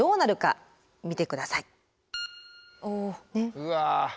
うわ。